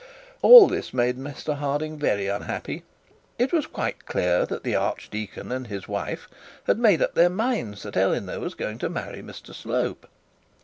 All this made Mr Harding very unhappy. It was quite clear that the archdeacon and his wife had made up their minds that Eleanor was going to marry Mr Slope.